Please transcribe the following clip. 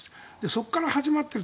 そこから始まっている。